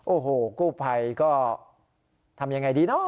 โอ้โหกู้ภัยก็ทำอย่างไรดีนะ